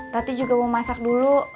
tapi juga mau masak dulu